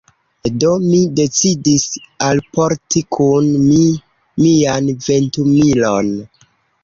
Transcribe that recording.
Do, mi decidis alporti kun mi mian ventumilon.